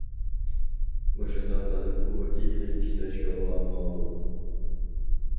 مۇشۇنداق قىلىپ ئۇ ئىگىلىك تىكلەش يولىغا ماڭىدۇ.